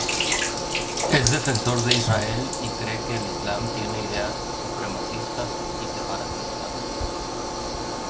Es defensor de Israel y cree que el Islam tiene ideas supremacistas y separatistas.